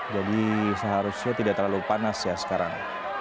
jadi seharusnya tidak terlalu panas ya sekarang